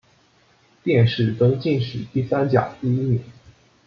殿试登进士第三甲第一名。